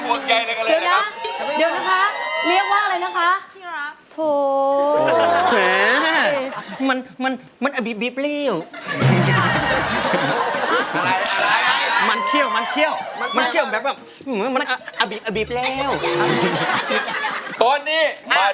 ยกเตอร์ก่อนไม่อย่างนั้นต้องร้องว่า